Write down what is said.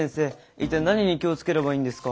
一体何に気を付ければいいんですか？